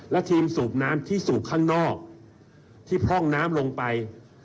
และทีมสูบน้ำที่สูบข้างนอกที่พร่องน้ำลงไป